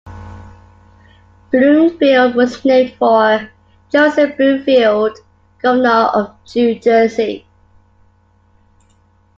Bloomfield was named for Joseph Bloomfield, governor of New Jersey.